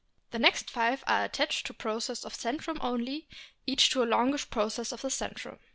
The next five are attached to processes of centrum only, each to a longish process of the centrum.